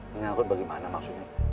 menyangkut bagaimana maksudnya